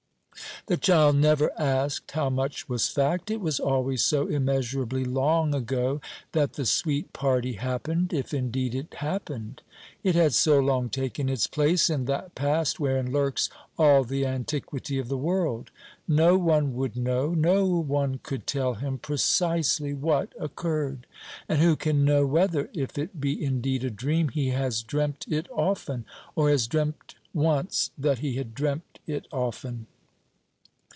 The child never asked how much was fact. It was always so immeasurably long ago that the sweet party happened if indeed it happened. It had so long taken its place in that past wherein lurks all the antiquity of the world. No one would know, no one could tell him, precisely what occurred. And who can know whether if it be indeed a dream he has dreamt it often, or has dreamt once that he had dreamt it often?